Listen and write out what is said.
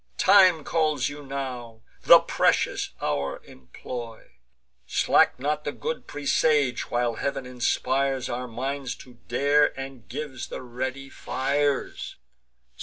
Time calls you now; the precious hour employ: Slack not the good presage, while Heav'n inspires Our minds to dare, and gives the ready fires.